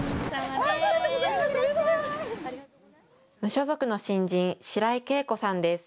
無所属の新人、白井桂子さんです。